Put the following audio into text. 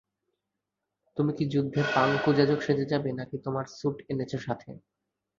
তুমি কি যুদ্ধে পাঙ্কু যাজক সেজে যাবে, নাকি তোমার স্যুট এনেছ সাথে?